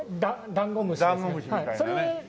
ダンゴムシみたいなね。